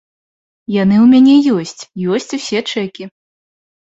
Яны ў мяне ёсць, ёсць усе чэкі.